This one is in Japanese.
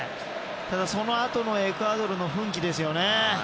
ただ、そのあとのエクアドルの奮起ですよね。